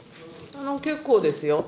結構ですよ。